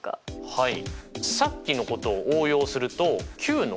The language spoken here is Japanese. はい。